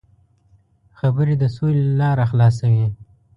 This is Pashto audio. خبرې د سولې لاره خلاصوي.